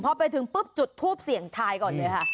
พอไปถึงปุ๊บจุดทูปเสี่ยงทายก่อนเลยค่ะ